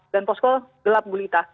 dan posko gelap bulita